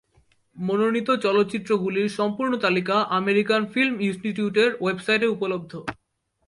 মনোনীত চলচ্চিত্রগুলির সম্পূর্ণ তালিকা আমেরিকান ফিল্ম ইনস্টিটিউটের ওয়েবসাইটে উপলব্ধ।